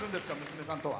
娘さんと。